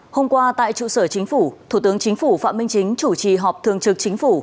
hôm qua tại trụ sở chính phủ thủ tướng chính phủ phạm minh chính chủ trì họp thường trực chính phủ